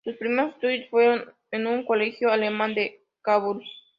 Sus primeros estudios fueron en un colegio alemán de Kabul.